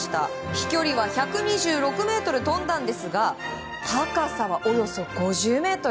飛距離は１２６ｍ飛んだんですが高さは、およそ５０ｍ。